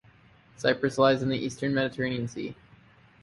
Cyprus lies in the eastern Mediterranean Sea.